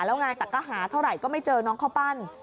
แล้วไงแต่ก็หาเท่าไหร่ก็ไม่เจอน้องข้าวปั้น